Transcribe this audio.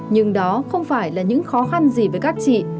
nhưng đó không phải là những khó khăn gì với các chị